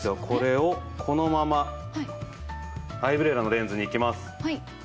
これをこのままアイブレラのレンズにいきます。